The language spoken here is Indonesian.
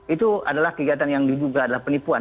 itu adalah kegiatan yang diduga adalah penipuan